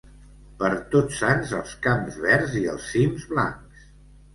Per Tots Sants els camps verds i els cims blancs.